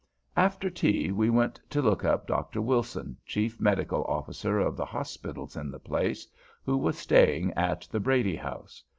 After tea we went to look up Dr. Wilson, chief medical officer of the hospitals in the place, who was staying at the Brady House.